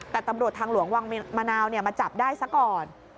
แต่ตำรวจทางหลวงวังมะนาวมาจับได้ซะก่อน